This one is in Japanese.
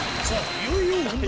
いよいよ本題！